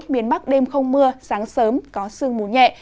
miền bắc đêm không mưa sáng sớm có sương mù nhẹ